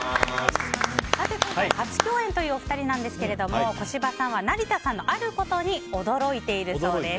今回、初共演というお二人ですが小芝さんは成田さんのあることに驚いているそうです。